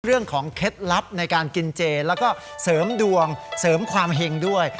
เคล็ดลับในการกินเจแล้วก็เสริมดวงเสริมความเห็งด้วย